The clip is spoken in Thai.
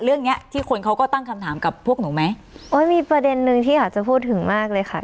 เรื่องเนี้ยที่คนเขาก็ตั้งคำถามกับพวกหนูไหมโอ้ยมีประเด็นนึงที่อาจจะพูดถึงมากเลยค่ะ